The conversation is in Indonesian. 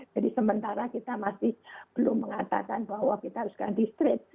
jadi sementara kita masih belum mengatakan bahwa kita haruskan di strain